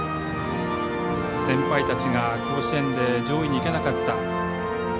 先輩たちが甲子園で上位にいけなかった。